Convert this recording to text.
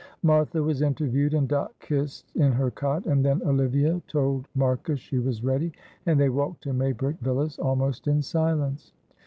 Martha was interviewed and Dot kissed in her cot, and then Olivia told Marcus she was ready; and they walked to Maybrick Villas almost in silence.